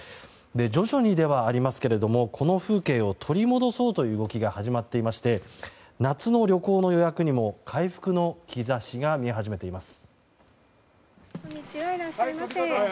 徐々にではありますけれどもこの風景を取り戻そうという動きが始まっていまして夏の旅行の予約にも回復の兆しが見え始めています。